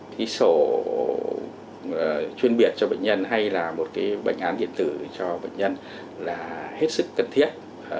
ký sổ chuyên biệt cho bệnh nhân hay là một bệnh án điện tử cho bệnh nhân là hết sức cần thiết